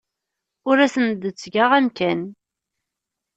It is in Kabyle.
Ur asen-d-ttgeɣ amkan.